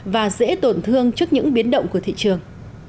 và dễ tổn thương trước những biến động của thị trường